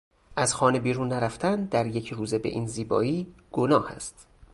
از خانه بیرون نرفتن در یک روز به این زیبایی گناه است.